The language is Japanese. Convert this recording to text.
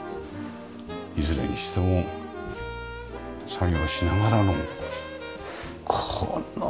いずれにしても作業しながらのこの眺め。